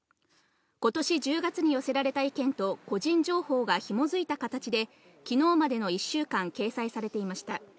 今年１０月に寄せられた意見と個人情報がひもづいた形で、昨日までの１週間、掲載されていました。